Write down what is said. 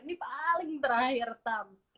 ini paling terakhir tam